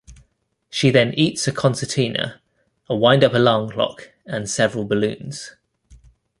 She then eats a concertina, a wind-up alarm clock and several balloons.